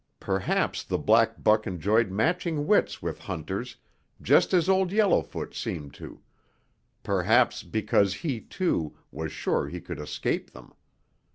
Perhaps the black buck enjoyed matching wits with hunters just as Old Yellowfoot seemed to, perhaps because he, too, was sure he could escape them.